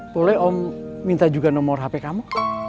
boleh om minta juga nomor hp kamu